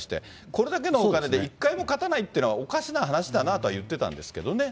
これだけのお金で１回も勝たないというのはおかしな話だなとは言